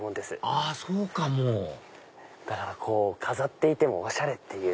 あっそうかも飾っていてもおしゃれっていう。